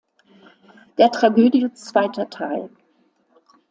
Der Tragödie zweiter Teil".